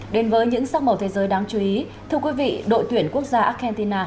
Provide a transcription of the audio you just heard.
đến với những sắc màu thế giới đáng chú ý thưa quý vị đội tuyển quốc gia argentina